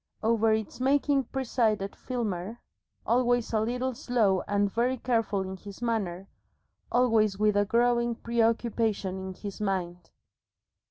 Over its making presided Filmer, always a little slow and very careful in his manner, always with a growing preoccupation in his mind.